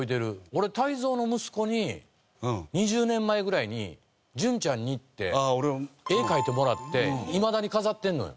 俺泰造の息子に２０年前ぐらいに「潤ちゃんに」って絵描いてもらっていまだに飾ってるのよ。